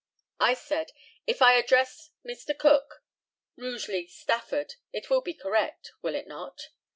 I said, "If I address 'Mr. Cook, Rugeley, Stafford,' it will be correct, will it not?"